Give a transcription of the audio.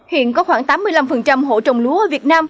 hiện có khoảng tám mươi năm hộ trồng lúa ở việt nam